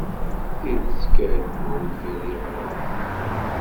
Tidet kan, ur k-riɣ ara.